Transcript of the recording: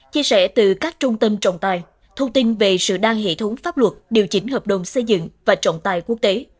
chia sẻ từ các trung tâm trọng tài thông tin về sự đăng hệ thống pháp luật điều chỉnh hợp đồng xây dựng và trọng tài quốc tế